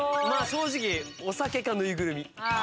正直お酒かぬいぐるみ